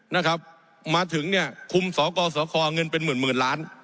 นะครับมาถึงเนี่ยคุมสกสคเงินเป็นหมื่นหมื่นล้าน